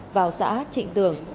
vào xã trịnh tường